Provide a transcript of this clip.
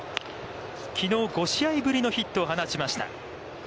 きのう５試合ぶりのヒットを放ちました。